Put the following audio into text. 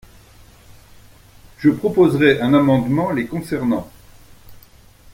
Je proposerai un amendement les concernant.